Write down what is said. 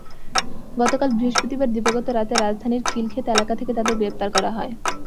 গতকাল বৃহস্পতিবার দিবাগত রাতে রাজধানীর খিলক্ষেত এলাকা থেকে তাদের গ্রেপ্তার করা হয়।